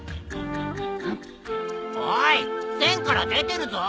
おい線から出てるぞ。